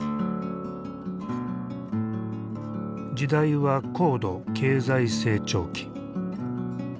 時代は高度経済成長期。